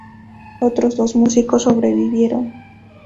Otros dos músicos sobrevivieron.